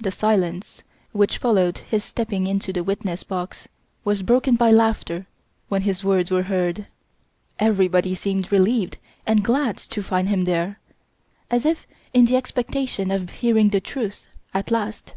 The silence which followed his stepping into the witness box was broken by laughter when his words were heard. Everybody seemed relieved and glad to find him there, as if in the expectation of hearing the truth at last.